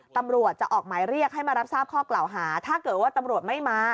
ตำรวจจะออกหมายเรียกให้มารับทราบข้อกล่าวหาถ้าเกิดว่าตำรวจไม่มา